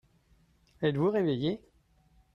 Êtes-vous réveillé ?